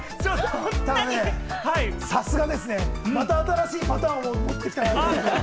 ただ、さすがですね、また新しいパターンを持ってきた。